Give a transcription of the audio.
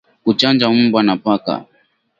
Kuchanja mbwa na paka